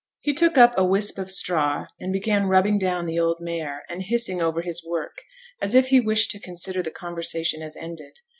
He took up a wisp of straw and began rubbing down the old mare, and hissing over his work as if he wished to consider the conversation as ended.